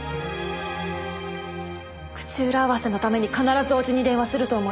口裏合わせのために必ず叔父に電話すると思いました。